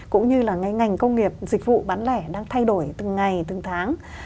cũng như là ngay ngành công nghiệp dịch vụ bán lẻ đang thay đổi từng ngày từng tháng